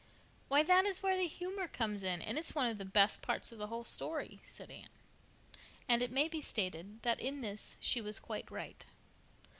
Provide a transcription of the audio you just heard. "Why, that is where the humor comes in, and it's one of the best parts of the whole story," said Anne. And it may be stated that in this she was quite right.